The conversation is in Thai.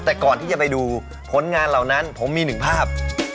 แต่ก่อนที่จะไปดูผลงานเหล่านั้นผมมีหนึ่งภาพ